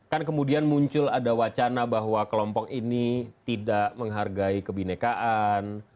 kan kemudian muncul ada wacana bahwa kelompok ini tidak menghargai kebinekaan